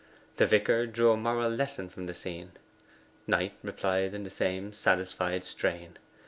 The vicar drew a moral lesson from the scene; Knight replied in the same satisfied strain.